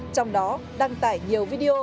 trong đó đăng tải nhiều video